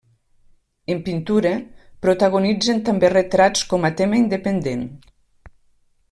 En pintura, protagonitzen també retrats com a tema independent.